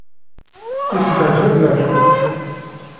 Isbehba-t leεceq.